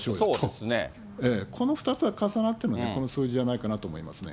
この２つが重なってのね、この数字じゃないかなと思いますね。